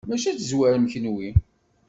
Mačči ad tezwarem kenwi.